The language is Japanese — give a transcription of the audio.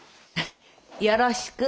よろしく。